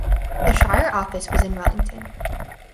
The shire office was in Wellington.